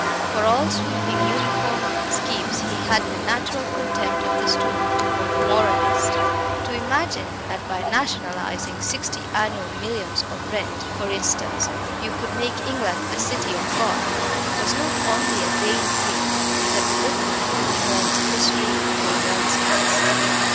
For all sweeping uniform schemes he had the natural contempt of the student or the moralist. To imagine that by nationalising sixty annual millions of rent for instance you could make England a city of God, was not only a vain dream, but a belittling of England's history and England's task.